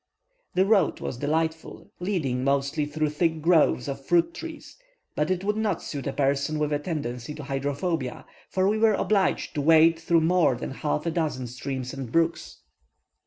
The road was delightful, leading mostly through thick groves of fruit trees; but it would not suit a person with a tendency to hydrophobia, for we were obliged to wade through more than half a dozen streams and brooks.